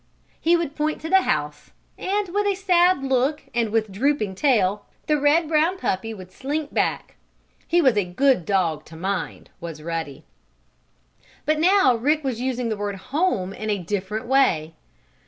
He would point to the house, and, with a sad look and with drooping tail, the red brown puppy would slink back. He was a good dog to mind, was Ruddy. But now Rick was using the word "home" in a different way.